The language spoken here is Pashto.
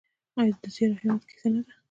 آیا د زیار او همت کیسه نه ده؟